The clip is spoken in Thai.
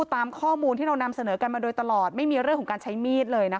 ตามข้อมูลที่เรานำเสนอกันมาโดยตลอดไม่มีเรื่องของการใช้มีดเลยนะคะ